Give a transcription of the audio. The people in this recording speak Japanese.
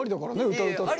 歌歌っても。